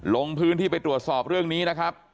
ลงพื้นที่ไปตรวจสอบเรื่องนี้นะครับ